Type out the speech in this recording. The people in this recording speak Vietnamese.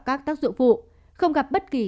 các tác dụng vụ không gặp bất kỳ